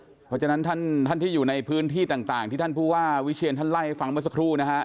เพราะฉะนั้นท่านที่อยู่ในพื้นที่ต่างที่ท่านผู้ว่าวิเชียนท่านไล่ฟังเมื่อสักครู่นะฮะ